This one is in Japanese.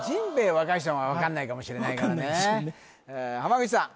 若い人は分かんないかもしれないからね口さん